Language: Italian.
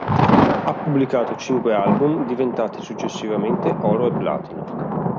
Ha pubblicato cinque album diventati successivamente oro e platino.